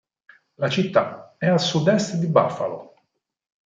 La città è a sud-est di Buffalo.